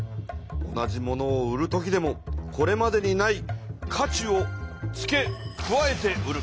同じものを売る時でもこれまでにない価値を付け加えて売る。